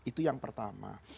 itu yang pertama